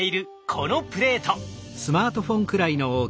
このプレート。